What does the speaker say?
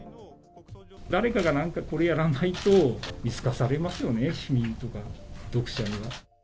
誰かがなんかこれやらないと、見透かされますよね、市民とか読者には。